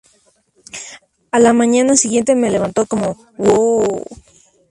A la mañana siguiente me levanto como '¡wow!